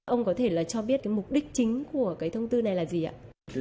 ông có thể cho biết mục đích chính của thông tư này là gì ạ